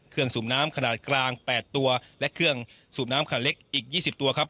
เครื่องสูบน้ำขนาดกลางแปดตัวและเครื่องสูบน้ำขนาดเล็กอีกยี่สิบตัวครับ